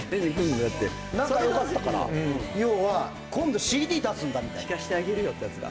だって猿岩石の仲よかったから要は今度ＣＤ出すんだみたいな聞かせてあげるよってやつだ